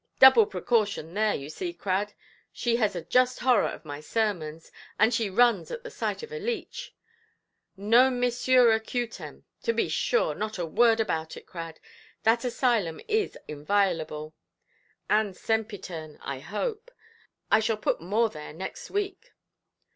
Double precaution there, you see, Crad. She has a just horror of my sermons, and she runs at the sight of a leech. 'Non missura cutemʼ—be sure, not a word about it, Crad. That asylum is inviolable, and sempitern, I hope. I shall put more there next week".